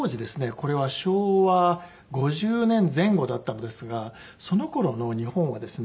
これは昭和５０年前後だったのですがその頃の日本はですね